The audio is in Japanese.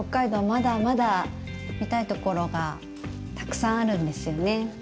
まだまだ見たいところがたくさんあるんですよね。